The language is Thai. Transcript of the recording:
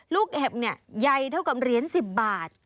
ลูกเห็บใยเท่ากับเหรียญ๑๐บาท